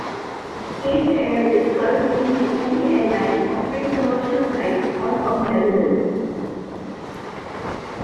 Cape Air is currently the only airline offering commercial flights out of Lebanon.